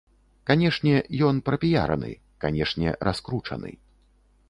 Канешне, ён прапіяраны, канешне, раскручаны.